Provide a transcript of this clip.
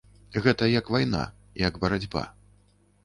Гэта як вайна, як барацьба.